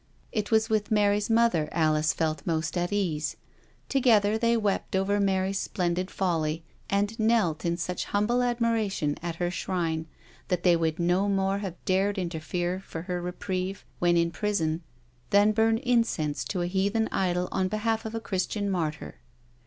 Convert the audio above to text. It was with Mary's mother Alice felt most at ease; together they wept over Mary's splendid folly, and knelt in such humble admiration at her shrine that they would no more have dared interfere for her reprieve, when in prison, than burn incense to a heathen idol on behalf of a Christian martyr.